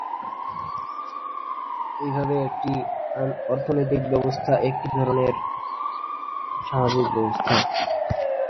এভাবে, একটি অর্থনৈতিক ব্যবস্থা একটি ধরনের সামাজিক ব্যবস্থা।